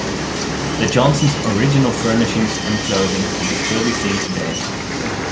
The Johnsons' original furnishings and clothing can still be seen today.